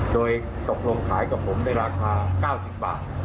โดยตกลงขายกับผมในราคา๙๐บาท